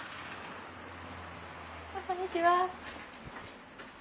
こんにちは。